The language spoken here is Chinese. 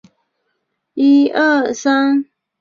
一部分电动列车以此站为起终点。